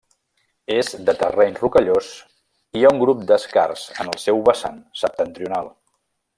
És de terreny rocallós i hi ha un grup d'escars en el seu vessant septentrional.